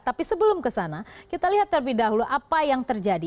tapi sebelum kesana kita lihat terlebih dahulu apa yang terjadi